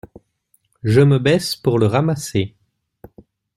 Je me baisse pour le ramasser.